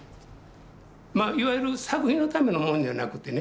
いわゆる作品のためのものじゃなくてね